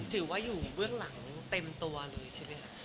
ถือว่าอยู่เบื้องหลังเต็มตัวเลยใช่ไหมคะ